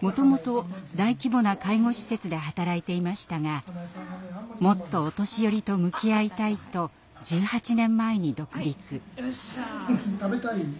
もともと大規模な介護施設で働いていましたがもっとお年寄りと向き合いたいと１８年前に独立。